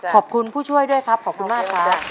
ผู้ช่วยด้วยครับขอบคุณมากครับ